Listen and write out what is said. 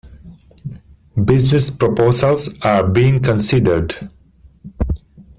Business proposals are being considered.